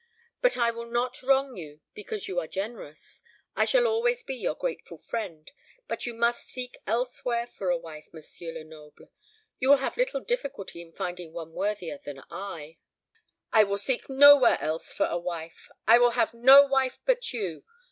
But I will not wrong you because you are generous. I shall always be your grateful friend, but you must seek elsewhere for a wife, M. Lenoble. You will have little difficulty in finding one worthier than I." "I will seek nowhere else for a wife; I will have no wife but you.